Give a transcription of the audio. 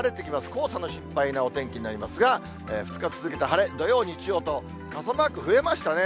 黄砂の心配なお天気になりますが、２日続けて晴れ、土曜、日曜と傘マーク増えましたね。